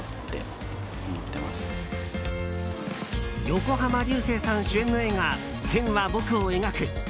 横浜流星さん主演の映画「線は、僕を描く」。